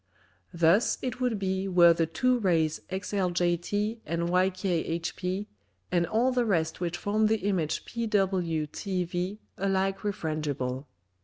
Thus it would be were the two Rays XLJT and YKHP, and all the rest which form the Image P_w_T_v_, alike refrangible.